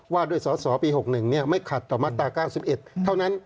ว่าด้วยสสปี๖๑ไม่ขัดต่อมาตรา๙๑เท่านั้น